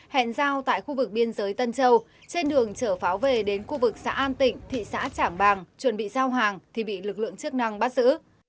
hẹn giao tại khu vực biên giới tân châu trên đường chở pháo về đến khu vực xã an tịnh thị xã trảng bàng chuẩn bị giao hàng thì bị lực lượng chức năng bắt giữ